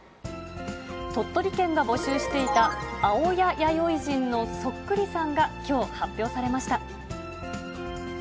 鳥取県が募集していた、青谷弥生人のそっくりさんがきょう、発表されました。